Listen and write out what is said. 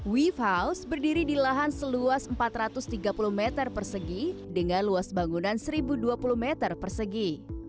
wave house berdiri di lahan seluas empat ratus tiga puluh meter persegi dengan luas bangunan seribu dua puluh meter persegi